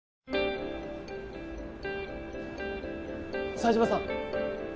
冴島さん。